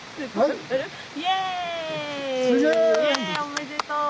おめでとう！